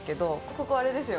ここあれですよ